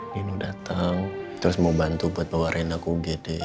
nino datang terus mau bantu buat bawa rena ke gede